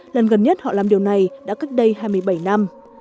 lần gần nhất họ làm điều này đã cách đây hai mươi bảy năm